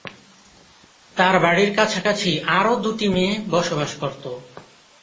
তার বাড়ির কাছাকাছি আরও দুটি মেয়ে বসবাস করত।